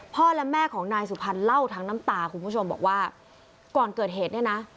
และแม่ของนายสุพรรณเล่าทั้งน้ำตาคุณผู้ชมบอกว่าก่อนเกิดเหตุเนี่ยนะ